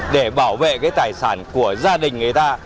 để bảo vệ cái tài sản của gia đình người ta